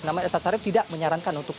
nama elsa sharif tidak menyarankan untuk